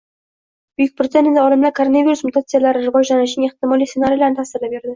Buyuk Britaniyada olimlar koronavirus mutatsiyalari rivojlanishining ehtimoliy ssenariylarini tasvirlab berdi